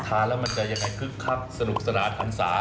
ทานแล้วมันจะยังไงคึกคักสนุกสนานหันศา